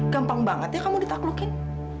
gampang banget ya kamu ditaklukin